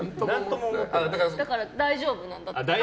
だから、大丈夫なんだと思う。